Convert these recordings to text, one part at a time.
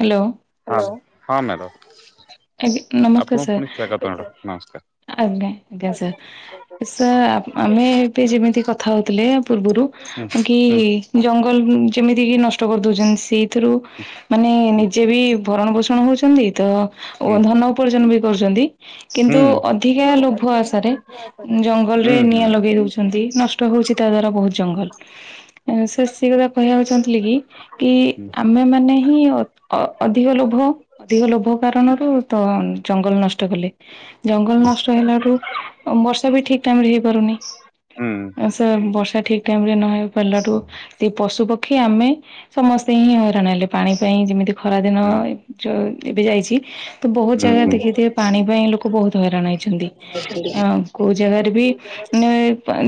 Hello. ହଁ ହଁ madam ଆଜ୍ଞା ନମସ୍କାର ଆପଣଙ୍କୁ ସାର୍ ପୁଣି ସ୍ଵାଗତ ମ୍ୟାଡ଼ମ୍ ନମସ୍କାର। ଆଜ୍ଞା ଆଜ୍ଞା ସାର୍। ସାର୍ ଆମେ ଏବେ ଯେମିତି କଥା ହଉଥିଲେ ପୂର୍ବରୁ ହୁଁ କି? ହୁଁ ଜଙ୍ଗଲ ଯେମିତି କି ନଷ୍ଟ କରିଦଉଛନ୍ତି। ସେଇଥିରୁ ମାନେ ହୁଁ ନିଜେ ବି ଭରଣ ପୋଷଣ ହେଉଛନ୍ତି। ତ ଓ ହୁଁ ଧନ ଉପାର୍ଜନ ବି କରୁଛନ୍ତି। କିନ୍ତୁ ହୁଁ। କିନ୍ତୁ ଅଧିକା ଲୋଭ ଅଧିକା ଆଶାରେ ଶୁଦ୍ଧ ଆସରେ ହୁଁ ଜଙ୍ଗଲରେ ହୁଁ ହୁଁ ନିଆଁ ଲଗେଇ ଦଉଛନ୍ତି। ନଷ୍ଟ ହଉଛି ତା ଦ୍ଵାରା ବହୁତ ଜଙ୍ଗଲ। ସେଷ କହିବା ଚାହୁଥିଲି କି କି ଆମେ ମାନେ ହିଁ ଅଧିକ ଲୋଭ ଅଧିକ ଲୋଭ କାରଣରୁ ତ ଜଙ୍ଗଲ ନଷ୍ଟ କଲେ। ଜଙ୍ଗଲ ନଷ୍ଟ ହେଲା ଠୁ ବର୍ଷା ବି ଠିକ ଟାଇମ ରେ ହେଇପାରୁନି। ହୁଁ ତ ବର୍ଷା ଠିକ ଟାଇମରେ ନହପିଲାଠୁ ସେ ପଶୁପକ୍ଷୀ ଆମେ ସମସ୍ତେ ହିଁ ହଇରାଣ ହେଲେ। ପାଣି ପାଇଁ ଯେମିତି ଖରା ଦିନ ହୁଁ ଏବେ ଯାଇଛି। ତ ବହୁତ ଜାଗା ଦେଖିଥିବେ ପାଣି ପାଇଁ ଲୋକ ବହୁତ ହଇରାଣ ହେଇଛନ୍ତି। ହ କୋଉ ଜାଗାରେ ବି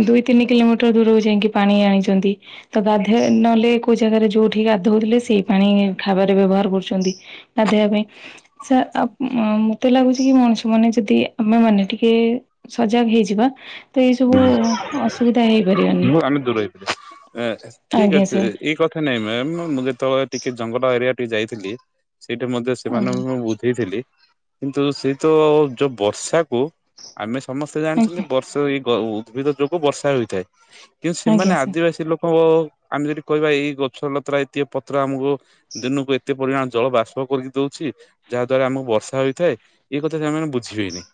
ଦୁଇ ତିନି କିଲୋମିଟର ଦୂରକୁ ଯାଇକି ପାଣି ଆଣିଛନ୍ତି। ତ ଗାଧୋଇ ନହେଲେ କୋଉ ଜାଗାରେ ଜୋର ଉଠି ଗାଧଉଥିଲେ ସେଇ ପାଣି ଖାଇବାରେ ବ୍ୟବହାର କରୁଛନ୍ତି। ଗାଧୋଇବା ପାଇଁ ସାର ଆ ମତେ ଲାଗୁଛି କି ମଣି ମାନେ ଯଦି ଆମେ ମାନେ ଟିକେ ସଜାଗ ହେଇଯିବା। ତ ଏଇ ସବୁ ହୁଁ ଅସୁବିଧା ହେଇପାରିବନି। ହୁଁ ଆମେ ଦୂର ହେଇଥିଲେ। ଠିକ ଆଜ୍ଞା ଅଛି ସାର୍। ଏଇ କଥା ନାଇଁ ମ୍ୟାମ୍ ମୁଁ ଯେତେବେଳେ ଟିକେ ଜଙ୍ଗଲ ଏରିଆ ଟିକେ ଯାଇଥିଲି। ସେଇଠି ମତେ ଆଜ୍ଞା ସେମାନଙ୍କୁ ମୁଁ ବୁଝେଇଥିଲି। କିନ୍ତୁ ସେ ତ ଯୋଉ ବର୍ଷାକୁ ଆମେ ସମସ୍ତେ ଜାଣିଛନ୍ତି ଆଜ୍ଞା ବର୍ଷା ଏଇ ଉଦ୍ଭିଦ ଯୋଗୁ ବର୍ଷା ହୋଇଥାଏ। କିନ୍ତୁ ଆଜ୍ଞା ସେମାନେ ସାର୍ ଆଦିବାସୀ ଲୋକଙ୍କ ଆମେ ଯଦି କହିବା ଏଇ ଗଛ ଲତ୍ର ଏଇତି ପତ୍ର ଆମକୁ ଦିନକୁ ଏତେ ପରିମାଣ ଜଳ ବାସ୍ପ କରିକି ଦଉଛି। ଯାହା ଦ୍ଵାରା ଆମକୁ ବର୍ଷା ହୋଇଥାଏ ଏଇ କଥା ସେମାନେ ବୁଝିବେନି।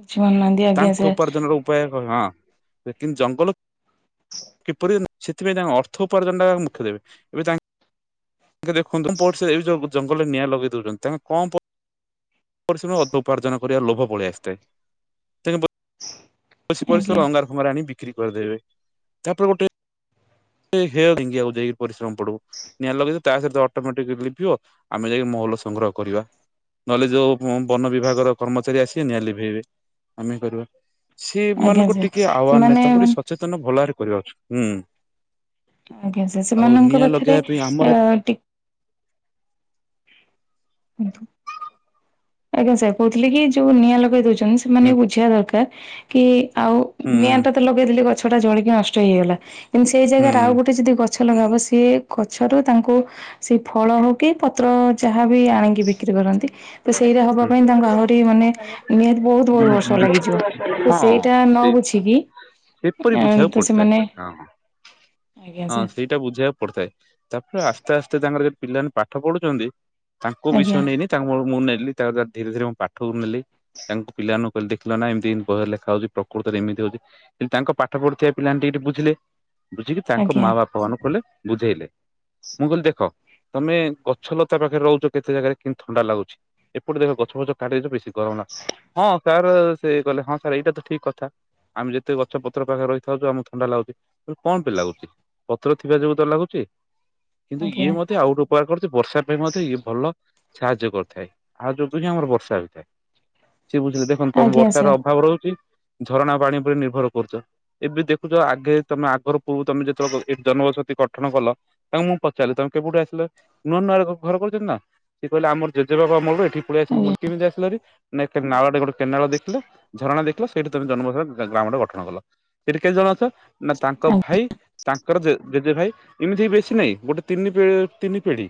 ବୁଝିପାରୁନାହାନ୍ତି ଆଜ୍ଞା ତାଙ୍କ ସାର୍ ଉପାର୍ଜନ ର ଉପାୟ ହଁ କିନ୍ତୁ ଜଙ୍ଗଲ କିପରି ସେଥିପାଇଁ ତାଙ୍କ ଅର୍ଥ ଉପାର୍ଜନ ଟା ମୁଖ୍ୟ ଦେବେ ଏବେ ତାଙ୍କ ଦେଖନ୍ତୁ ପ ଯଉ ଜଙ୍ଗଲରେ ନିଆଁ ଲଗେଇ ଦଉଛନ୍ତି। ତାଙ୍କ କଣ ପରିଶ୍ରମ ଅଧ ଉପାର୍ଜନ କରିବା ଲୋଭ ପଳେଇ ଆସିଥାଏ। [unintelligible] ଆଜ୍ଞା ଘରେ ଆଣି ବିକ୍ରି କରିଦେବେ ତାପରେ ଗୋଟେ [unintelligible] ଯଉ ଜାଇ ପରିଶ୍ରମ ପଡୁ ନିଆଁ ଲଗେଇଦେବେ ତା ସହିତ ଅଟୋମେଟିକ ଲିଭିବ ଆମେ ଯାଇକି ମହୁଲ ସଂଗ୍ରହ କରିବା। ନହେଲେ ଯୋଉ ବନ ବିଭାଗର କର୍ମଚାରୀ ଆସିବେ ନିଆ ଲିଭେଇବେ। ଆମେ କରିବା। ଆଜ୍ଞା ସେମାନଙ୍କୁ ସାର୍ ଟିକେ ଆହ୍ୱାନ ସେମାନେ ନାହିଁ। ତାଙ୍କୁ ଟିକେ ସଚେତନ ଭଲରେ କରିବାର ଅଛି। ଆଜ୍ଞା ସାର୍। ଆଉ ସେମାନଙ୍କ ନିଆଁ ପାଖରେ ଲଗେଇବା ପାଇଁ ଆମର ଆ ଟିକେ ଆଜ୍ଞା ସାର୍। କହୁଥିଲେ କି ଯୋଉ ନିଆଁ ଲଗେଇ ଦଉଛନ୍ତି। ସେମାନେ ହୁଁ ବୁଝିବା ଦରକାର କି ଆଉ ହୁଁ ନିଆଁଟା ତ ଲଗେଇଦେଲି ଗଛ ଟା ଜଳିକି ନଷ୍ଟ ହେଇଗଲା କିନ୍ତୁ ସେଇ ହୁଁ ଜାଗାରେ ଆଉ ଗୋଟେ ଯଦି ଗଛ ଲଗବ ସି ଗଛରୁ ତାଙ୍କୁ ସେ ଫଳ ହଉ କି ପତ୍ର ଯାହା ଆଣଙ୍ଗି ବି ପାରନ୍ତି ତ ସେଇଟା ହବା ହୁଁ ପାଇଁ ତାଙ୍କ ଆହୁରି ମାନେ ନିହାତି ବହୁତ ବହୁତ ବର୍ଷ ଲାଗିଯିବ। ତ ହଁ ସେଇଟା ନ ସେଇ ବୁଝିକି ସେପରି ବୁଝିବାକୁ ତ ପଡିଥାଏ ସେମାନେ ଆଜ୍ଞା ସେ ସେଟା ବୁଝେଇବାକୁ ପଡିଥାଏ ତାପରେ ଆସ୍ତେ ଆସ୍ତେ ତାଙ୍କର ଯ ପିଲାମାନେ ପାଠ ପଢୁଛନ୍ତି ତାଙ୍କୁ ବି ଆଜ୍ଞା ତାଙ୍କର ମୁଁ ନେଲି ତାଙ୍କାର ଧୀରେ ଧୀରେ ମୁଁ ପାଠକୁ ନେଲି। ତାଙ୍କୁ ପିଲାମାନଙ୍କୁ କହିଲେ ଦେଖିଲ ନା ଏମତି ଲେଖା ହଉଛି ପ୍ରକୃତରେମିତି ହଉଛି। କିନ୍ତୁ ତାଙ୍କ ପାଠ ପଢୁଥିବା ପିଲାମାନେ ଟିକେ ଟେ ବୁଝିଲେ ବୁଝିକି ତାଙ୍କ ଆଜ୍ଞା ମା ବାପା ଭଗବାନ କହଲେ ବୁଝେଇଲେ। ମୁଁ କହିଲି ଦେଖ ତମେ ଗଛ ଲତା ପାଖରେ ରହୁଛ କେତେ ଜାଗାରେ କିନ୍ତୁ ଥଣ୍ଡା ଲାଗୁଛି ଏପଟେ ଦେଖ ଗଛ ଫଛ କାଟିଦଛ ବେଶୀ ଗରମ ନାଁ ହଁ। ସାର୍ ସେ କହଲେ ହଁ ସାର୍ ଏଇଟା ତ ଠିକ କଥା। ଆମେ ଯେତେ ଗଛ ପତ୍ର ପାଖରେ ରହିଥାଉଛୁ ଆମ ଥଣ୍ଡା ଲାଗୁଛି। କଣ ବି ଲାଗୁଛି ପତ୍ର ଥିବା ଯୋଗୁ ତ ଲାଗୁଛି କିନ୍ତୁ ଆଜ୍ଞା ଇଏ ମତେ ଆଉ ଗଟୋ ଉପହାର କରୁଛି ବର୍ଷା ପାଇଁ ମଧ୍ୟ ଇଏ ଭଲ ସାହାଯ୍ୟ କରିଥାଏ ଆ ଯୋଗୁ ହି ଆମର ବର୍ଷା ହୋଇଥାଏ। ସିଏ ବୁଝିଲେ ଦେଖନ୍ତ ତମେ ଆଜ୍ଞା ବର୍ଷାର ସାର୍ ଅଭାବ ରହୁଛି ଝରଣା ପାଣି ଉପରେ ନିର୍ଭର କରୁଛ। ଏବେ ଦେଖୁଚ ଆଗେ ତମେ ଆଗରୁକୁ ତମେ ଯେତେବେଳେ ଜନବସତି ଗଠନ କଲ। ତାଙ୍କୁ ମୁଁ ପଚାରିଲି ତମେ କେବେଠୁ ଆସିଲ ନୂଆ ନୂଆରେ ଘର କରୁଛନ୍ତି ନା। ସି କହିଲେ ଆମର୍ ଜେଜେବାପା ଅମଳ୍ରୁ ଏଠି ପଳିଆସିଲୁ ମୁଁ ଆଜ୍ଞା କହିଲି କି କେମିତି ଆସିଲ ହେରି ନା ଏଟି ନାଳ ଟେ କେନାଳ ଦେଖିଲେ ଝରଣା ଦେଖିଲ ସେଇଠି ତମେ ଜନ୍ମ ଗ୍ରାମରେ ଗଠନ କଲ ସେଠି କେତେ ଜଣ ଅଛ। ନା ତାଙ୍କ ଭାଇ ତା ଜେଜେ ଭାଇ ଏମିତି ବେଶୀ ନହିଁ ଗୋଟେ ତିନି ତିନି ପିଢି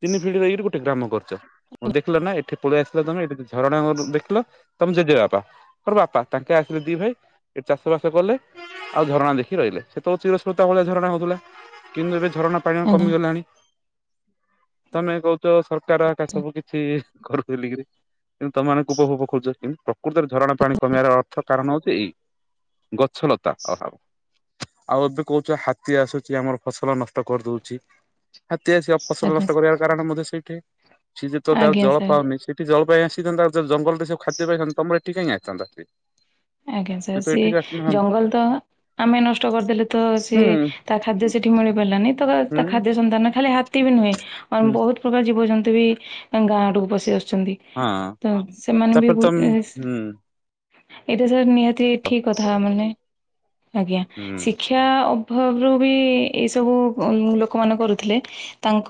ତିନି ପିଢି ଦେଇକରି ଗୋଟେ ଗୋଟେ ଗ୍ରାମ କର୍ଚ ମୁ ଦେଖିଲ ନା ଏଠି ପଳେଇ ଆସିଲା ତମେ ଏଠି ଝରଣା ଦେଖିଲ ତମେ ଜେଜେ ବାପା। ଙ୍କର ବାପା ତାଙ୍କେ ଆସିଲେ ଦି ଭାଇ ଏ ଚାଷ ବାସ କଲେ। ଆଉ ଝରଣା ଦେଖି ରହିଲେ ସେତେବେଳେ ଚିରସ୍ମ୍ରତା ଭଳିଆ ଝରଣା ହଉଥିଲା କିନ୍ତୁ ଏବେ ଝରଣା ପାଣି ଆଜ୍ଞା କମିଗଲାଣି ତମେ କହୁଚ ସରକାର ସବୁ କିଛି ଅଛି ଘରକୁ ବଲିକିରି କିନ୍ତୁ ତମାନ ଉପଭୂପ ଖୋଛ କିନ୍ତୁ ପ୍ରକୃତରେ ଝରଣା ପାଣି କମିବାର ଅର୍ଥ। କାରଣ ହଉଚି ଏଇ ଗଛଲତା ଅଭାବ। ଆଉ ଏବେ କହୁଚ ହାତୀ ଆସୁଚି ଆମର ଫସଲ ନଷ୍ଟ କର୍ଦଉଚି। ହାତୀ ଆସିବା ଫସଲ ଆଜ୍ଞା ନଷ୍ଟ କରିବାର କାରଣ ମଧ୍ୟ ସେଇଠି ସିଏ ଯେ ତଉ ଆଜ୍ଞା ଜଳ ସାର୍ ପାଉନି ସେ ଠି ଜଳ ପାଇବାସିିନ୍ତା ଜଙ୍ଗଲରେ ସବୁ ଖଦ୍ୟ ପାଇଥାନ୍ ତମ ଟିକେ ହିଁ ଆସିଥାନ୍ତା ସେ। ଆଜ୍ଞା ସାର୍ ତ ସେ ଏଠିକି ଆସିନଥାନ୍ତା ଜଙ୍ଗଲ୍ ତ ଆମେ ନଷ୍ଟ କର୍ଦେଲେ ତ ସି ହୁଁ ତା ଖାଦ୍ୟ ସେଠି ମିଳି ପାରିଲାନି ତ ହୁଁ ତା ଖାଦ୍ୟ ସନ୍ତାନ ନା ଖାଲିତ ହାତି ବି ନୁହେଁ ଆ ହୁଁ ବୋହୁତା ପ୍ରକାର ଜୀବଜନ୍ତୁ ବି ଗାଁ ଆଡ଼କୁ ପସି ଆସୁଚନ୍ତି। ହଁ ତ ସେମାନେ ବି ତାପରେ ତମ ହୁଁ ଏଇଟା ସାର୍ ନିହାତି ଠିକ୍ କଥା ମାନେ ଆଜ୍ଞା। ହୁଁ ଶିକ୍ଷା ଅଭାବରୁ ବି ଏଇସବୁ ଲୋକମାନେ କରୁଥିଲେ ତାଙ୍କ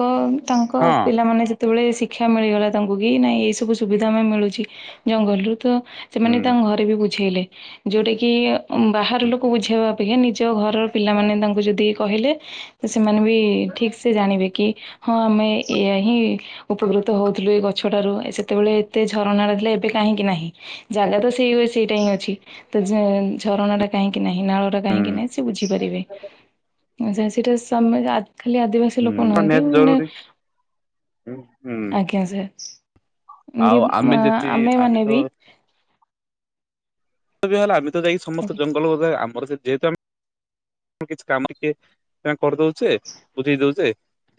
ତାଙ୍କ ହଁ ପିଲାମାନେ କେତେବେଳେ ଶିକ୍ଷା ମିଳିଗଲା ତାଙ୍କୁ କି ନାଇଁ ଏଇ ସବୁ ସୁବିଧା ଆମ ମିଳୁଛି ଜଙ୍ଗଲ୍ରୁ ତ ସେମାନେ ହୁଁ ତାଙ୍କ ଘରେ ବି ବୁଝେଇଲେ ଯୋଉଟା କିି ବାହାର ଲୋକ ବୁଝେଇବା ଅପେକ୍ଷା ନିଜ ଘର ପିଲାମାନେ ତାଙ୍କୁ ଯଦି କହିଲେ ସେମାନେ ବି ଠିକ୍ ସେ ଜାଣିବେ କି। ହଁ ଆମେ ଏୟା ହିଁ। ଉପକୃତ ହଉଥିଲୁ ଏ ଗଛଟାରୁ ସେତେବେଳେ ଏତେ ଝରଣ ତ ଥିଲା ଏବେ କାହିଁକି ନାହିଁ। ଜାଗା ତ ସେଇ ହୁଏ ସେଇଟା ହିଁ ଅଛି ତ ଝ ଝରଣା ଟା କାହିଁକି ନାହିଁ ନାଳଟା କାହିଁକି ହୁଁ ନାହିଁ ସେ ବୁଝି ପାରିବେ ଉଁ ସେ ସେଟା ସମେ ଖା ଖାଲି ଆଦିବାସି ହୁଁ ଲୋକ ନୁହନ୍ତି ନିହାତି ମାନେ ଜରୁରୀ ହୁଁ ହୁଁ। ଆଜ୍ଞା ସାର୍। ଏମତି ଆଉ ଆମେ ମ ଯେତିକି ଆମେ ମାନେ ତ ବି ହେଲା ଆମେ ତ ଯାଇ ସମସ୍ତେ ଜଙ୍ଗଲ ରେ ଯେହେତୁ ଆମେ କିଛି କାମ ଟିଏ ଏ ବୁଝେଇ ଦଉଛେ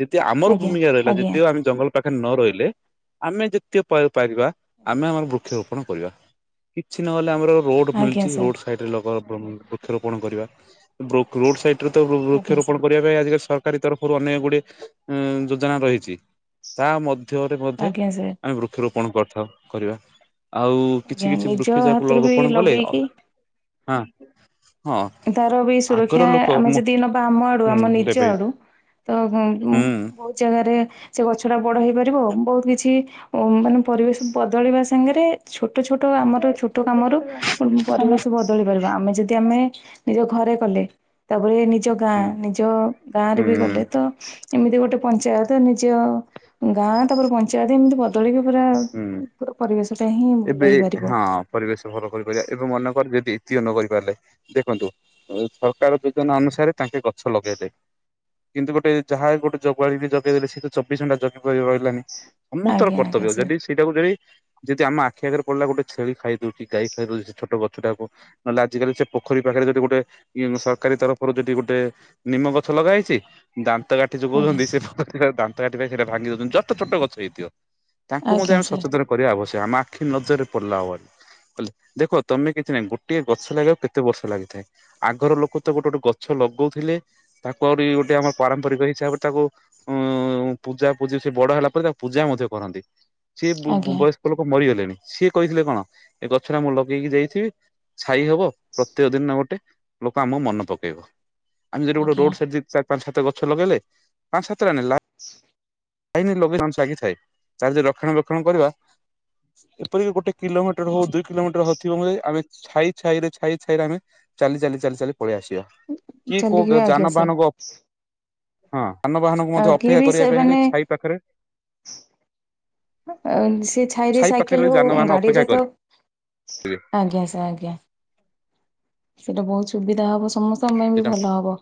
ଯେଦି ଆମର ଆଜ୍ଞା ଭୂମିକା ରହିଲା ଆଜ୍ଞା ଯେଦିଓ ଆମେ ଜଙ୍ଗଲ ପାଖରେ ନ ରହିଲେ ଆମେ ଯେତେ ପ ପାରିବା ଆମେ ଆମର ବୃକ୍ଷରୋପଣ କରିବା। କିଛି ନହେଲେ ଆମର ରୋଡ ଆଜ୍ଞା ମିଳଛି ସାର୍ ରୋଡ ସାଇଡରେ ଲଗ ବ ବୃକ୍ଷରୋପଣ କରିବା ବୃକ୍ ରୋଡ ସାଇଡ ରେ ତ ବୃ ଆଜ୍ଞା ବୃକ୍ଷରୋପଣ ସାର୍ କରିବା ପାଇଁ ଆଜି କାଲି ସରକାରୀ ତରଫରୁ ଅନେକ ଗୁଡିଏ ଯୋଜନା ରହିଛି ତା ମଧ୍ୟ ରେ ମଧ୍ୟ ଆଜ୍ଞା ସାର୍ ଆମେ ବୃକ୍ଷରୋପଣ କରିଥାଉ କରିବା। ଆଉ କିଛି ଆଜ୍ଞା କିଛି ନିଜ ବୃକ୍ଷ ଯାହାକୁ ଲ ହାତରୁ ବି ରୋପଣ କଲେ ଲଗେଇକି ଆ ହଁ। ହଁ ତାର ବି ଆଗର ସୁରକ୍ଷା ଲୋକ ଆମେ ହୁଁ ଯଦି ନବା ଆମ ଆଡୁ ଆମ ନିଜ ଦେବେ ଆଡୁ ତ ଭୁ ଭୁ ହୁଁ ବହୁତ ଜାଗାରେ ସେ ଗଛ ଟା ବଡ ହେଇପାରିବ ବହୁତ କିଛି ଉ ମାନେ ପରିବେଶ ବଦଳିବା ସାଙ୍ଗରେ ଛୋଟ ଛୋଟ ଆମର ଛୋଟ କାମରୁ ପରିବେଶ ବଦଳି ପାରିବା ଆମେ ଯଦି ଆମେ ନିଜ ଘରେ କଲେ ତାପରେ ନିଜ ଗାଁ ହୁଁ ନିଜ ଗାଁରେ ବି ହୁଁ ଗଲେ ତ ଏମିତି ଗୋଟେ ପଞ୍ଚାୟତ ନିଜ ଗାଁ ତାପରେ ପଞ୍ଚାୟତ ଏମିତି ବଦଳିକି ପୁରା ହୁଁ ପୁରା ପରିବେଶଟା ହିଁ ଏବେ ଭଲ ହେଇପାରିବ। ହଁ ପରିବେଶ ଭଲ କରିପାରିବା ଏବେ ମନେକର ଯଦି ଇତିୟ ନ କରିପାରିଲେ ଦେଖନ୍ତୁ ଉଁ ସରକାର ଯୋଜନା ଅନୁସାରେ ତାଙ୍କେ ଗଛ ଲଗେଇଲେ। କିନ୍ତୁ ଗୋଟେ ଯାହା ଗୋଟେ ଜଗୁଆଳି ବି ଜଗେଇଦେଲେ ସେ ତ ଚବିଶ ଘଣ୍ଟା ଜଗି ପାରି ରହିଲାନି ସମସ୍ତର ଆଜ୍ଞା ଆଜ୍ଞା କର୍ତ୍ତବ୍ୟ ସାର୍ ଯଦି ସେଇଟାକୁ ଯଦି ଯଦି ଆମ ଆ ଆଖି ଆଗରେ ପଡିଲା ଗୋଟେ ଛେଳି ଖାଇଦଉଛି ଗାଈ ଖାଇଦଉଛି ସେ ଛୋଟ ଗଛଟାକୁ। ନହେଲେ ଆଜିକାଲି ସେ ପୋଖରୀ ପାଖରେ ଯଦି ଗୋଟେ ଏ ସରକାରୀ ତରଫରୁ ଯଦି ଗୋଟେ ନିମ ଗଛ ଲଗା ହେଇଛି। ଦାନ୍ତ କାଠି ଯୋଉ ଆଜ୍ଞା କହୁଛନ୍ତି ସେ ଦାନ୍ତ କାଠି ପାଇଁ ସେଇଟା ଭାଙ୍ଗି ଦଉଛନ୍ତି ଜଷ୍ଟ ଛୋଟ ଗଛ ହେଇଥିବ। ତାଙ୍କୁ ମଧ୍ୟ ଆଜ୍ଞା ଆମେ ସାର୍ ସଚେତନ କରିବା ଆବଶ୍ୟକ ଆମ ଆ ଆଖି ନଜରରେ ପଡିଲା ଆଉ ହବନି କହି ଦେଖ ତମେ କିଛି ନାଇ ଗୋଟେ ଗଛ ଲାଗବାକୁ କେତେ ବର୍ଷ ଲାଗିଥାଏ। ଆଗର ଲୋକ ତ ଗୋଟେ ଗୋଟେ ଗଛ ଲଗଉଥିଲେ ତାକୁ ଆହୁରି ଗୋଟେ ଆମର ପାରମ୍ପରିକ ହିସାବରେ ତାକୁ ଉ ପୂଜା ପୂଜି ସେ ବଡ ହେଲା ପରେ ତାକୁ ପୂଜା ମଧ୍ୟ କରନ୍ତି। ସିଏ ବୁ ବୁ ଆଜ୍ଞା ବୟସ୍କ ଲୋକ ମରିଗଲେଣି ସିଏ କହିଥିଲେ କଣ ଏ ଗଛ ଟା ମୁଁ ଲଗେଇକି ଯାଇଥିବି ଛାଇ ହବ ପ୍ରତ୍ୟେକ ଦିନ ଗୋଟେ ଲୋକ ଆମ ମନ ପକେଇବ। ଆମେ ଯଦି ଗୋଟେ ଆଜ୍ଞା ରୋଡ ସାଇଡ ଯ ଚାରି ପାଞ୍ଚ ସାତ ଗଛ ଲଗେଇଲେ ପାଞ୍ଚ ସାତଟା ନେଇ ଲା [unintelligible] [unintelligible] ଲାଗିଥାଏ ତାରି ରକ୍ଷଣା ବକ୍ଷଣ କରିବା। ଏପରିକି ଗୋଟେ କିଲୋମିଟର ହଉ ଦୁଇ କିଲୋମିଟର ହଉଥିବ ମ ଆମେ ଛାଇ ଛାଇ ରେ ଛାଇ ଛାଇରେ ଆମେ ଚାଲି ଚାଲି ଚାଲି ଚାଲି ପଳେଇ ଆସିବା କି କୋଉ ଚାଲିକି ଗୋ ଆଜ୍ଞା ସାର୍ ଯାନବାହାନକୁ ଅ ହଁ ସାନବାହାନ କୁ ମଧ୍ୟ ଆଉ କିଏ ଅପେକ୍ଷା ବି କରିବା ପାଇଁ ହେଲେ ସେମାନେ ଛାଇ ପାଖରେ ଅ ସେ ଛାଇରେ ଛାଇ ପାଖରେ ସାଇକେଲ ହଉ ଯାନବାହାନ ଗାଡିରେ ଅପେକ୍ଷା ତ କରିବେ ଆଜ୍ଞା ସା ଆଜ୍ଞା ସେଇଟା ବହୁତ ସୁବିଧା ହବ ସମସ କୁ ବି ସେଟା ଭଲ ହବ।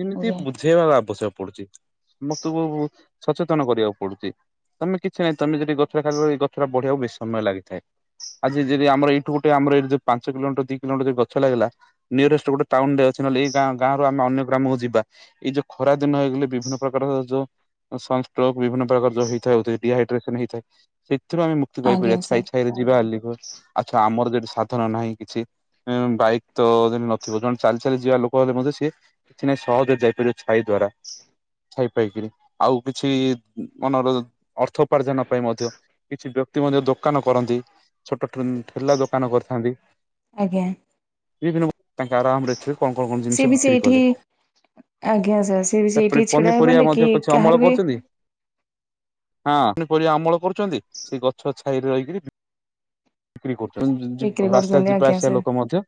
ସେମିତି ଆଜ୍ଞା ବୁଝେଇବାର ଆବଶ୍ୟକ ପଡୁଛି ସମସ୍ତଙ୍କୁ ସଚେତନ କରିବାକୁ ପଡୁଛି ତମେ କିଛି ନାହିଁ ତମେ ଯଦି ଗଛରେ ଖାଇ ଗଛଟା ବଢିବାକୁ ବେଶୀ ସମୟ ଲାଗିଥାଏ। ଆଜି ଯଦି ଆମର ଏଇଠୁ ଗଟେ ଆମର ଯୋ ପାଞ୍ଚ କିଲମିଟର ଦି କିଲୋମଟର ଗଛ ଲାଗିଲା। ନିୟରେଷ୍ଟ ଗୋଟେ ଟାଉନ ରେ ଅଛ ନହେଲେ ଏ ଗାଁ ଗାଁରୁ ଆମେ ଅନ୍ୟ ଗ୍ରାମକୁ ଯିବା ଏଇ ଯୋଉ ଖରା ଦିନ ହେଇଗଲେ ବିଭିନ୍ନ ପ୍ରକାରର ଯୋଉ ସନ ଷ୍ଟ୍ରୋକ ବିଭିନ୍ନ ପ୍ରକାର ଯୋଉ ହେଇଥାଉ ଡିହାଇଡ୍ରେସନ ହେଇଥାଏ ସେଥିରୁ ଆମେ ମୁ କ୍ତୀ ପାଇ ପାରିବା ଆଜ୍ଞା ସାର୍ ଛାଇ ଛାଇରେ ଯିବା ହେଲି କୁ ଆଛା ଆମର ଯଦି ସାଧନ ନାହିଁ କିଛି ଏ ବାଇକ୍ ତ ନଥିବ ଜଣେ ଚାଲି ଚାଲି ଯିବା ଲୋକ ହେଲେ ମଧ୍ୟ ସିଏ କିଛି ନାଇଁ ସହଜରେ ଯାଇପାରିବ ଛାଇ ଦ୍ୱାରା। ଛାଇ ପାଇକିରି ଆଉ କିଛି ମନର ଅର୍ଥ ଉପାର୍ଜନ ପାଇଁ ମଧ୍ୟ କିଛି ବ୍ୟକ୍ତି ମଧ୍ୟ ଦୋକାନ କରନ୍ତି ଛୋଟ ଠେଲା ଦୋକାନ କରିଥାନ୍ତି। ଆଜ୍ଞା। ବିଭିନ୍ନ ତାଙ୍କ ଆରାମରେ ଥିଲେ କଣ କଣ କଣ ସିଏ ଜିନିଷ ବି ବିକ୍ରି ସେଇଠି କଲେ। ଆଜ୍ଞା ସାର୍ ସିଏ ବି ତାପରେ ସେଇଠି ଛିଡା ପନିପରିବା ହେଇପାରିଲେ କି ମଧ୍ୟ କିଛି କାହାର ଅମଳ ବି କରୁଛନ୍ତି। ହଁ ପନି ପରିବା ଅମଳ କରୁଛନ୍ତି ସେଇ ଗଛ ଛାଇରେ ରହିକିରି ବିକ୍ରି କରୁଚନ୍ତି ବିକ୍ରି ରାସ୍ତା ରେ କରୁଛନ୍ତି ଯିବା ଆଜ୍ଞା ଆସିବା ସାର୍ ଲୋକ ମଧ୍ୟ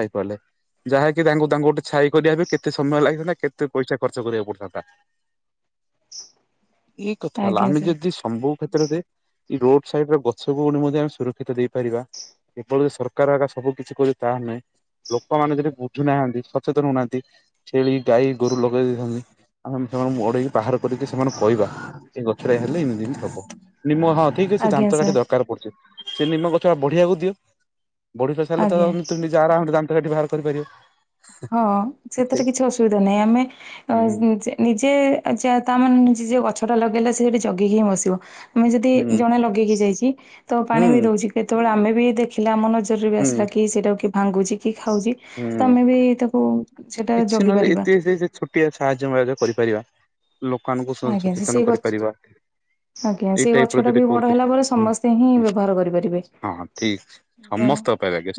ପାଇପାରିଲେ। ଯାହାକି ତାଙ୍କୁ ତାଙ୍କୁ ଗୋଟେ ଛାଇ କରିବା ପାଇଁ କେତେ ସମୟ ଲାଗିଥାନ୍ତା କେତେ ପଇସା ଖର୍ଚ୍ଚ କରିବାକୁ ପଡିଥାନ୍ତା। [inaudible] ଏଇ କଥା ହେଲା ଆଜ୍ଞା ଆମେ ସାର୍ ଯଦି ସମ୍ବୁ କ୍ଷେତ୍ରରେ ଏଇ ରୋଡ ସାଇଡ ର ଗଛୁକୁ ମଧ୍ୟ ଆମେ ସୁରକ୍ଷିତ ଦେଇପାରିବା କେବଳ ସରକାର ଆଗା ସବୁ କିିଛି କରିବ ତାହା ନୁହେଁ। ଲୋକମାନେ ଯଦି ବୁଝୁନାହାନ୍ତି ସଚେତନ ହଉନାହାନ୍ତି ଛେଳି ଗାଈ ଗୋରୁ ଲଗେଇ ଦେଇଥାନ୍ତି। ଆମେ ସେମାନଙ୍କୁ ଓଡେଇକି ବାହାର କରିକି ସେମାନଙ୍କୁ କହିବା ଏ ଗଛରେ ହେଲେ ଏମିତି ହବ ନିମ ହ। ଠିକ ସେ ଆଜ୍ଞା ଦାନ୍ତ କାଠି ସାର୍ ଦରକାର ପଡୁଥିବ ସେ ନିମ ଗଛା ବଢିବାକୁ ଦିଅ ବଢି ପ ସାରିଲେ ତ ଆଜ୍ଞା [unintelligible] ଯା ଆରାମରେ ଦାନ୍ତ କାଠି ବାହାର କରିପାରିବ। ହଁ ସେ ସେଥିରେ କିଛି ଅସୁବିଧା ନାହିଁ ଆମେ ଅ ହୁଁ ଯେ ନିଜେ ଯ ତା ମାନେ ନି ଯେ ଗଛ ଟା ଲଗେଇଲା ସେ ସେଠି ଜଗିକି ହିଁ ବସିବ। ଆମେ ଯଦି ହୁଁ ଜଣେ ଲଗେଇକି ଯାଇଛି ତ ପାଣି ହୁଁ ବି ଦଉଛି କେତେବେଳେ ଆମେ ବି ଦେଖ ଦେଖିଲା ଆମ ନଜରରେ ବି ହୁଁ ଆସିଲା କି ସେଇଟାକୁ କି ଭାଙ୍ଗୁଛି କି ଖାଉଛି ହୁଁ। ତ ଆମେ ବି ତାକୁ ସେଟା ଜଗି ପାରିବା। କି ଆ ସାହାଯ୍ୟ ମହାଜ୍ୟ କରିପାରିବା ଲୋକଆନଙ୍କୁ ଆଜ୍ଞା ସେ ସଚେତନ ସେଇ ଗଛ କରିପାରିବା। ଆଜ୍ଞା ଏଇ ସେଇ ଟାଇପ ର ଗଛଟା ଯଦି ବି ବଡ ହେଲା କରୁଛନ୍ତି ପରେ ସମସ୍ତେ ହିଁ ବ୍ୟବହାର କରିପାରିବେ ହଁ ଠିକ ତ ସମସ୍ତ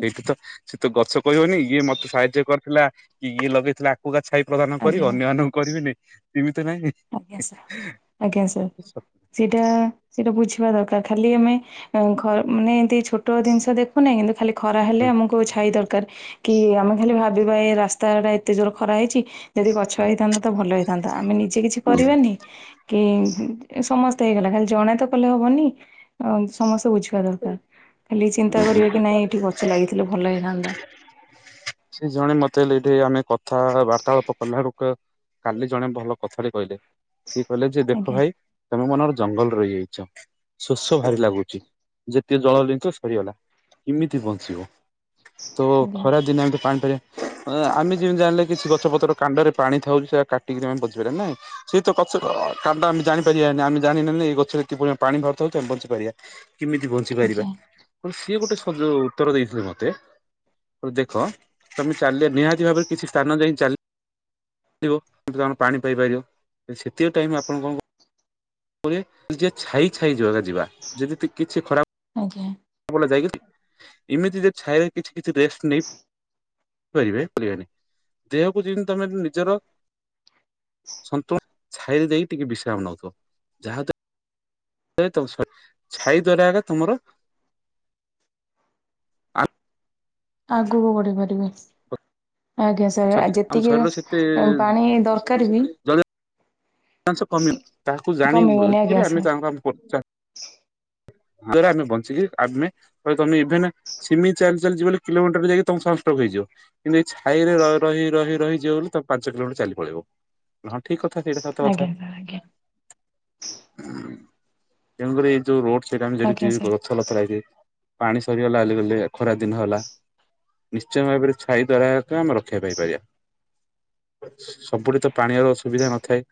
ସେଇଠି ତ ସେ ତ ଗଛ କହିବନି ଇଏ ମତେ ସାହାଯ୍ୟ କରିଥିଲା କି ଇଏ ଲଗେଇଥିଲା। ପକା ଛାଇ ପ୍ରଦାନ କରିବି ଆଜ୍ଞା ଅନ୍ୟମାନଙ୍କୁ କରିବି ନାଇଁ ଏମିତି ନହିଁ। ଆଜ୍ଞା ସାର୍ ଆଜ୍ଞା ସାର୍ ସେଇଟା ସେଟା ବୁଝିବା ଦରକାର ଖାଲି ଆମେ। ଘ ମାନେ ଏମିତି ଛୋଟ ଜିନିଷ ଦେଖୁନାହିଁ କିନ୍ତୁ ଖାଲି ଖରା ହେଲେ ଆମକୁ ଛାଇ ଦରକାର କି ଆମେ ଖାଲି ଭାବିବା ଏ ରାସ୍ତା ଟା ଏତେ ଜୋର ଖରା ହେଇଛି ଯଦି ଗଛ ହେଇଥାନ୍ତା ତ ଭଲ ହେଇଥାନ୍ତା ଆମେ ନିଜେ କିଛି କରିବେନି କି ସମସ୍ତେ ହେଇଗଲା ଖାଲି ଜଣେ ତ କଲେ ହବନି ହ ସମସ୍ତେ ବୁଝିବା ଦରକାର ଖାଲି ଚିନ୍ତା କରିବା କି ନାଇଁ ଏଠି ଗଛ ଲାଗିଥିଲେ ଭଲ ହେଇଥାନ୍ତା। ସେ ଜଣେ ମତେ ହେଲେ ଏଇଠି ଆମେ କଥା ବାର୍ତ୍ତାଳାପ କଲା କ କାଲି ଜଣେ ଭଲ କଥାରେ କହିଲେ ସିଏ କହିଲେ ଯେ ଦେଖ ଆଜ୍ଞା ଭାଇ ତମେ ମନର ଜଙ୍ଗଲ ରହିଯାଇଛ ଶୋଷ ଭାରି ଲାଗୁଚି। ଯେତେ ଜଳ ଲିଞ୍ଚ ସରିଗଲା କେମିତି ବଞ୍ଚିବ? ତ ଆଜ୍ଞା ଖରା ଦିନ ଏମ ତ ପାଣି ପରିବା। ଆମେ ଯେମିତି ଜାଣିଲେ କିଛି ଗଛପତ୍ର କାଣ୍ଡରେ ପାଣି ଥାଉଛି ସେଟା କାଟିକିମେ ବଜିପାରିଲ ନାଇଁ। ସେ ତ କା ଆମେ ଜାଣିପାରିବାାନି ଆମେ ଜାଣିନି ଏଇ ଗଛରେ ଏପ ପ ପାଣି ଭରତ ହଉ ଆେ ବଞ୍ଚିପାରିବା। କେମିତି ବଞ୍ଚି ପାରିବା ଆଜ୍ଞା ସିଏ ଗୋଟେ ସଜ ଉତ୍ତର ଦେଇଥିଲେ ମତେ ଦେଖ ତମେ ଚାଲ ନିହାତି ଭାବରେ କିଛି ସ୍ଥାନ ଯାଇକ ଚାଲି କିନ୍ତୁ ଆପଣ ପାଣି ପାଇପାରିବ ସେତିକ ଟାଇମ୍ ଆପଣ କଣ କ ନିଜେ ଛାଇ ଛାଇ ଯିବାକ ଯିବା ଯଦି କିଛି ଖରା ଆଜ୍ଞା ବ ଯାଇ କିଛି ଏମିତି ଯେ ଛାଇରେ କିଛି କିଛି ରେଷ୍ଟ ନେଇ କରିବେ କରିବେନି ଦେହକୁ ଯେମିତି ତମେ ନିଜର ସନ୍ତୁ ଛାଇରେ ଦେଇକି ଟିକେ ବିଶ୍ରାମ ନଉଥ ଯାହା ଛାଇ ଦ୍ଵାରା ଆ ତୁମର ଆ ଆଗକୁ ବଢିପାରିବେ। ଆଜ୍ଞା ସାର୍ ଆମ ଯେତିକି ଶରୀର ସେତେ ପାଣି ଦରକାର ବି ଚା କମି ତାହାକୁ ଜାଣି କମିବନି ଆଜ୍ଞା ସାର୍ ଆ [unintelligible] ଦରେ ଆମେ ବଞ୍ଚିକି ଆମେ ତମେ ଇଭେନ ସିମି ଚାଲି ଚାଲିଯିବ ବୋଲି କିଲୋମିଟରରେ ଯାଇକି ତମ ସମଷ୍ଟକ ହେଇଯିବ। କିନ୍ତୁ ଏଇ ଛାଇରେ ରହି ରହି ରହି ଯ ବୋଲି ତମ ପାଞ୍ଚ କିଲୋମିଟର ଚାଲି ପଳେଇବ। ହଁ ଠିକ କଥା ସେଇଟା ସତ କଥା। ଆଜ୍ଞା ସାର୍ ଆଜ୍ଞା ତେଣୁକରି ଏଇ ଯଉ ରୋଡ ସାଇଟ ଆମେ ଆଜ୍ଞା ଯଦି ସାର୍ ଗଛଲତା ପାଣି ସରିଗଲା କ ଖରା ଦିନ ହେଲା ନିଶ୍ଚୟ ଭାବରେ ଛାଇ ଦ୍ଵାରା ଆମେ ରକ୍ଷା ପାଇପାରିବା ସବୁଠି ତ ପାଣିର ଅ ସୁୁବିଧା ନଥାଏ।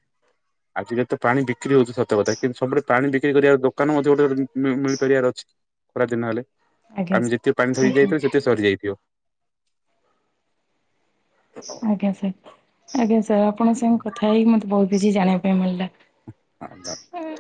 ଆଜି କାଲି ତ ପାଣି ବିକ୍ରି ହଉଛି ସତ କଥା କିନ୍ତୁ ସବୁଠେ ପାଣି ବିକ୍ରି କରିବାକୁ ଦୋକାନ ମଧ୍ୟ ଗୋଟେ ମିଳିପାରିବାର ଅଛି ଖରା ଦିନ ହେଲେ ଆଜ୍ଞା ଆମେ ଯେତେ ପାଣି ସାର୍ ଧରିକି ଆଜ୍ଞା ଯାଇଥିବା ସେତେ ସରିଯାଇଥିବ। ଆଜ୍ଞା ସାର୍ ଆଜ୍ଞା ସାର୍ ଆପଣଙ୍କ ସାଙ୍ଗେ କଥା ହେଇକି ମତେ ବହୁତ କିଛି ଜାଣିବା ପାଇଁ ମିଳିଲା। [unintelligible]